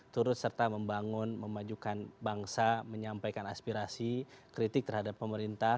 turut serta membangun memajukan bangsa menyampaikan aspirasi kritik terhadap pemerintah